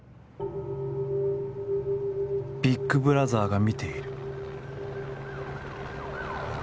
「ビッグブラザーが見ている」。